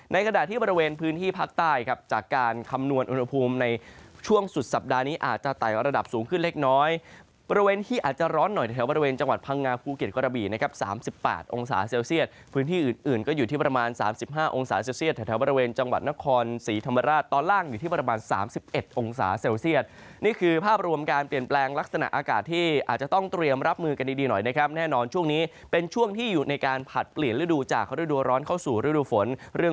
องศาเซลเซียคพื้นที่อื่นก็อยู่ที่ประมาณ๓๕องศาเซลเซียคแถบบริเวณจังหวัดนครศรีธรรมราชตอนล่างอยู่ที่ประมาณ๓๑องศาเซลเซียคนี่คือภาพรวมการเปลี่ยนแปลงลักษณะอากาศที่อาจจะต้องเตรียมรับมือกันดีหน่อยนะครับแน่นอนช่วงนี้เป็นช่วงที่อยู่ในการผลัดเปลี่ยนฤดูจากฤดูร้อนเข้